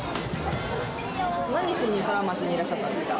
何しにソラマチにいらっしゃったんですか。